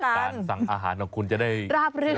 สั่งอาหารของคุณจะได้ราบรื่น